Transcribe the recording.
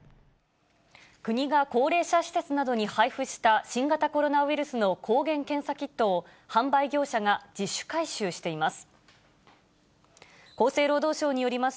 国が高齢者施設などに配布した新型コロナウイルスの抗原検査キットを、販売業者が自主回収しています。